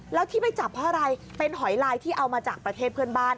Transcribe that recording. แล้วที่ไปจับเพราะอะไรเป็นหอยลายที่เอามาจากประเทศเพื่อนบ้าน